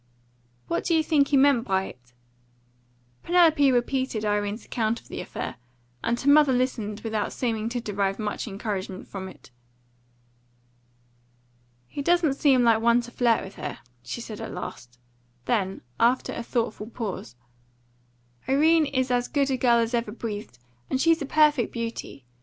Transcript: "What do you think he meant by it?" Penelope repeated Irene's account of the affair, and her mother listened without seeming to derive much encouragement from it. "He doesn't seem like one to flirt with her," she said at last. Then, after a thoughtful pause: "Irene is as good a girl as ever breathed, and she's a perfect beauty.